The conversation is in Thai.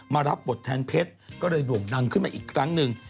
รับบทแทนเพชรก็เลยโด่งดังขึ้นมาอีกครั้งหนึ่ง